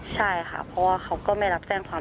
ใช่ค่ะเพราะว่าเขาก็ไม่รับแจ้งความ